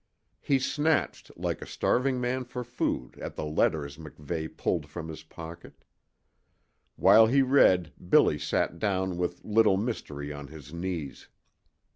He snatched like a starving man for food at the letters MacVeigh pulled from his pocket. While he read Billy sat down with Little Mystery on his knees.